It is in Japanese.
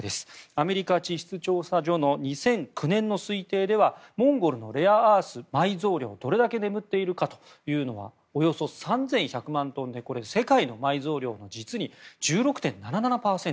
アメリカ地質調査所の２００９年の推定ではモンゴルのレアアース埋蔵量どれだけ眠っているかというのはおよそ３１００万トンでこれ、世界の埋蔵量の実に１６．７７％。